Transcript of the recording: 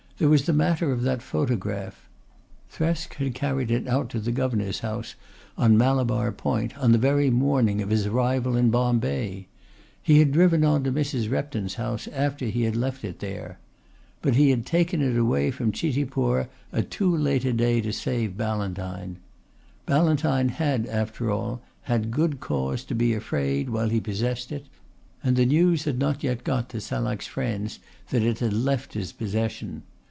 There was the matter of that photograph. Thresk had carried it out to the Governor's house on Malabar Point on the very morning of his arrival in Bombay. He had driven on to Mrs. Repton's house after he had left it there. But he had taken it away from Chitipur at too late a day to save Ballantyne. Ballantyne had, after all, had good cause to be afraid while he possessed it, and the news had not yet got to Salak's friends that it had left his possession.